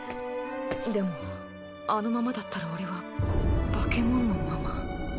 でもあのままだったら俺は化け物のまま。